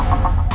iya bener ini